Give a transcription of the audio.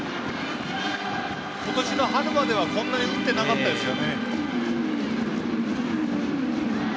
今年の春まではこんなに打っていなかったですよ。